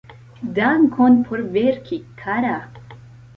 Dankon por verki, kara!